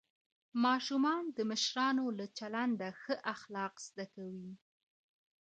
ماشومان د مشرانو له چلنده ښه اخلاق زده کوي